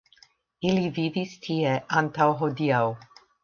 Ili vivis tie antaŭ hodiaŭ.